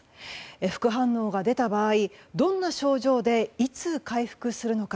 副反応が出た場合どんな症状でいつ回復するのか。